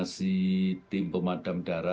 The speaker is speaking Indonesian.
jadi tetap kita harus mengambil tangan